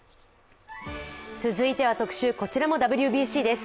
続いては特集、こちらもＷＢＣです。